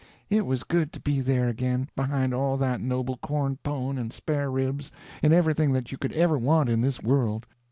It was good to be there again behind all that noble corn pone and spareribs, and everything that you could ever want in this world.